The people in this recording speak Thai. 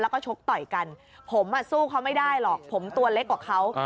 แล้วก็ชกต่อยกันผมสู้เขาไม่ได้หรอกผมตัวเล็กกว่าเขา